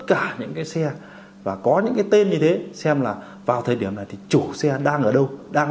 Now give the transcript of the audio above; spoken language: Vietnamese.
cả những cái xe và có những cái tên như thế xem là vào thời điểm này thì chủ xe đang ở đâu đang